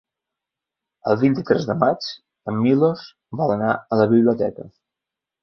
El vint-i-tres de maig en Milos vol anar a la biblioteca.